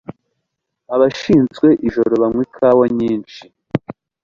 Abashinzwe ijoro banywa ikawa nyinshi